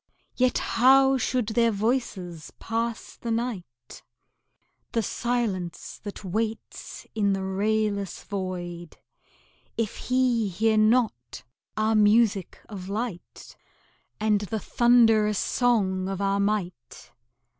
Yet how should their voices pass the night, The silence that waits in the rayless void, If he hear not our music of light, And the thundrous song of our might?